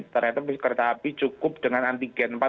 ternyata kereta api cukup dengan antigen